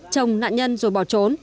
chồng nạn nhân rồi bỏ trốn